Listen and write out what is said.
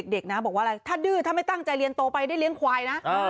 เด็กนะบอกว่าอะไรถ้าดื้อถ้าไม่ตั้งใจเรียนโตไปได้เลี้ยงควายนะ